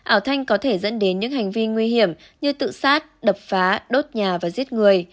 ảo thanh có thể dẫn đến những hành vi nguy hiểm như tự sát đập phá đốt nhà và giết người